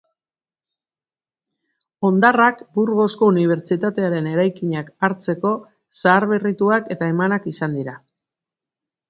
Hondarrak Burgosko Unibertsitatearen eraikinak hartzeko zaharberrituak eta emanak izan dira.